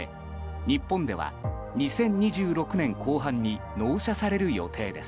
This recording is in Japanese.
日本では２０２６年後半に納車される予定です。